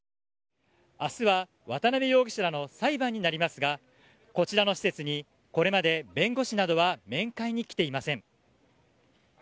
明日は渡辺容疑者らの裁判になりますがこちらの施設にこれまで弁護士などは面会に来ていません。